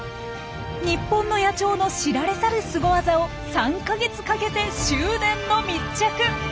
日本の野鳥の知られざるスゴ技を３か月かけて執念の密着。